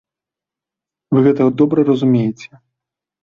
Вы гэта добра разумееце.